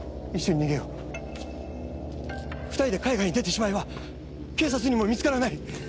２人で海外に出てしまえば警察にも見つからない。